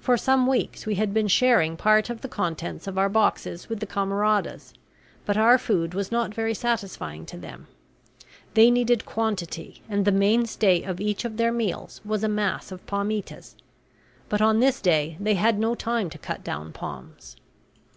For some weeks we had been sharing part of the contents of our boxes with the camaradas; but our food was not very satisfying to them. They needed quantity and the mainstay of each of their meals was a mass of palmitas; but on this day they had no time to cut down palms.